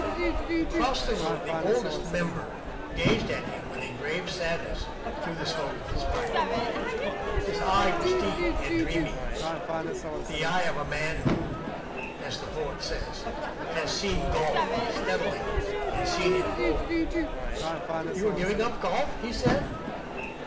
Across the room the Oldest Member gazed at him with a grave sadness through the smoke of his pipe. His eye was deep and dreamy the eye of a man who, as the poet says, has seen Golf steadily and seen it whole. "You are giving up golf?" he said.